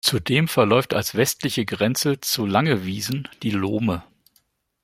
Zudem verläuft als westliche Grenze zu Langewiesen die Lohme.